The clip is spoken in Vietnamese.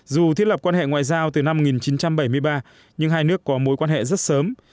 dù thiết lập quan hệ ngoại giao từ năm một nghìn chín trăm bảy mươi ba nhưng hai nước có mối quan hệ rất sớm